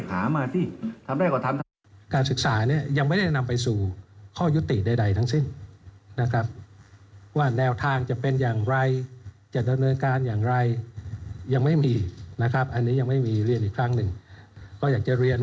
จะจำกัดสกัดกั้นการสื่อสารจะไปอย่างนู้นอย่างนี้อะไรเนี่ยนะครับไม่มีทุกอย่างเนี่ย